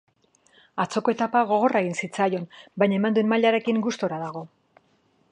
Atzoko etapa gogorra egin zitzaion baina eman duen mailarekin, gustura dago.